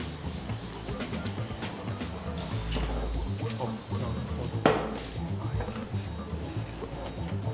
あっなるほど。